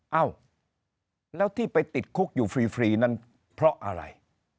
เอ้าแล้วที่ไปติดคุกอยู่ฟรีนั้นเพราะอะไร